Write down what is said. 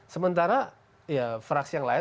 sementara ya fraksi yang lain